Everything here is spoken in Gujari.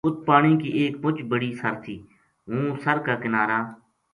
اُت پانی کی ایک مُچ بڑی سر تھی ہوں سر کا کنارا